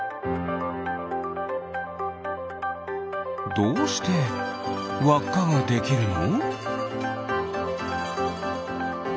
どうしてわっかができるの？